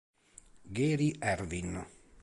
Gary Ervin